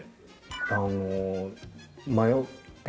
あの。